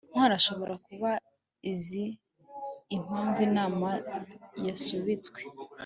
ntwali ashobora kuba azi impamvu inama yasubitswe